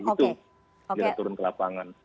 itu kita turun ke lapangan